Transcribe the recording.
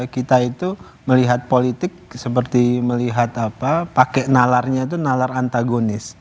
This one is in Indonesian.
kita itu melihat politik seperti melihat pakai nalarnya itu nalar antagonis